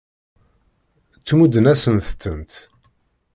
Tmuddem-asent-tent.